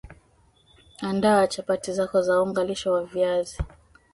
Andaa chapati zako za unga lishe wa viazi